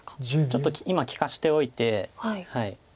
ちょっと今利かしておいて。